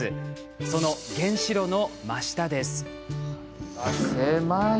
その原子炉の真下です。